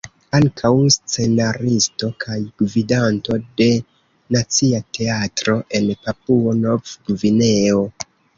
Ankaŭ scenaristo kaj gvidanto de Nacia Teatro en Papuo-Nov-Gvineo.